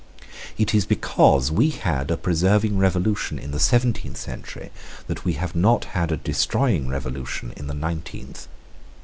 It is because we had a preserving revolution in the seventeenth century that we have not had a destroying revolution in the nineteenth.